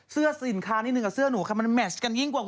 คุณยืนดีค่ะเดี๋ยวเสื้อมันเดี๋ยวน้ำเนื้อมันจะหกใส่เสื้อคุณนะคะ